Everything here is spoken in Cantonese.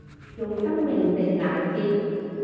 用生命值硬接